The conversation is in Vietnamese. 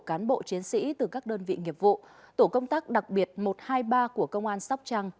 cán bộ chiến sĩ từ các đơn vị nghiệp vụ tổ công tác đặc biệt một trăm hai mươi ba của công an sóc trăng